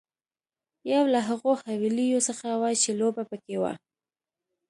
یو له هغو حويليو څخه وه چې لوبه پکې وه.